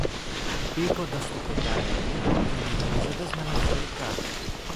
μπήγοντας το κοντάρι του και μουρμουρίζοντας μελαγχολικά